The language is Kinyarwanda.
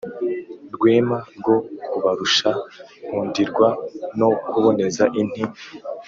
Rwema rwo kubarusha nkundirwa no kuboneza inti,